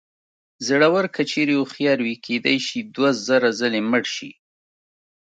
زړور که چېرې هوښیار وي کېدای شي دوه زره ځلې مړ شي.